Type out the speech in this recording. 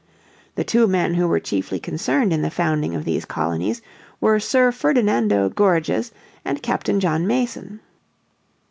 The two men who were chiefly concerned in the founding of these colonies were Sir Ferdinando Gorges and Captain John Mason.